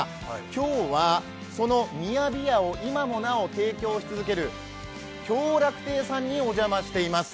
今日はそのミヤビヤを今もなお提供し続ける享楽亭さんにお邪魔しています。